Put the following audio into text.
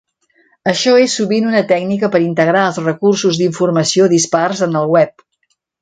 Això és sovint una tècnica per integrar els recursos d'informació dispars en el web.